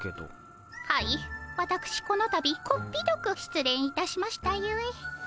はいわたくしこのたびこっぴどくしつれんいたしましたゆえ。